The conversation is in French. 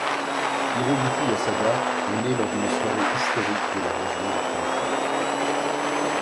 Hiroyuki Asada est né lors d’une soirée historique de la région du Kantô.